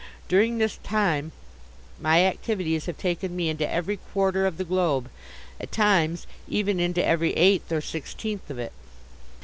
During this time my activities have taken me into every quarter of the globe, at times even into every eighth or sixteenth of it.